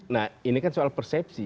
nah ini kan soal persepsi